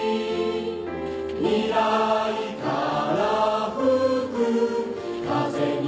未来から吹く風に